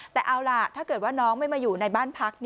แต่เอาล่ะถ้าเกิดว่าน้องไม่มาอยู่ในบ้านพัก